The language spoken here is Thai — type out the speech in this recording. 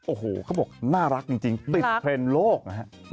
โอ้โหเขาบอกน่ารักจริงติดเทรนด์โลกนะฮะ